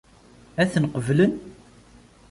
Ad ten-qeblen?